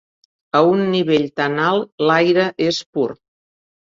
A un nivell tan alt l'aire és pur.